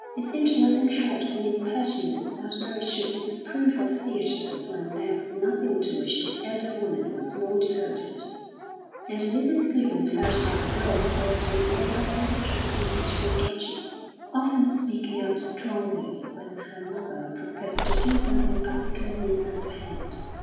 It seemed nothing short of an impertinence that Mary should disapprove of theatres when there was nothing to which the elder woman was more devoted. And Mrs. Clibborn felt that the girl saw through all her little tricks and artful dodges, often speaking out strongly when her mother proposed to do something particularly underhand.